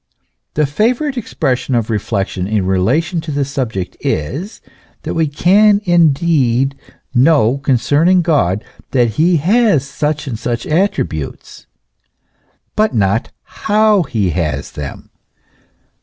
The favourite expression of reflection in relation to this subject is, that we can indeed know concerning God that he has such and such attributes, but not hoiv he has them.